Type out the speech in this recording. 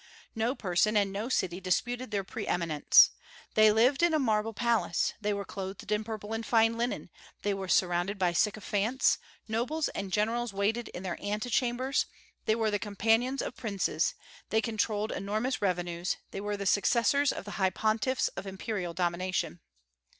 No person and no city disputed their pre eminence. They lived in a marble palace; they were clothed in purple and fine linen; they were surrounded by sycophants; nobles and generals waited in their ante chambers; they were the companions of princes; they controlled enormous revenues; they were the successors of the high pontiffs of imperial domination.